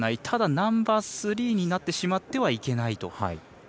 ただ、ナンバースリーになってしまってはいけないと。